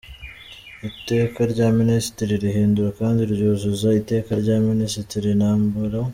Iteka rya Minisitiri rihindura kandi ryuzuza Iteka rya Minisitiri n°